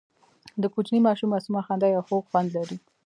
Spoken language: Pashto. د کوچني ماشوم معصومه خندا یو خوږ خوند لري.